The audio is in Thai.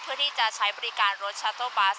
เพื่อที่จะใช้บริการรถชาโต้บัส